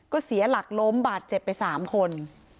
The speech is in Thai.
ก็เสียหลักล้มบาดเจ็บไป๓คน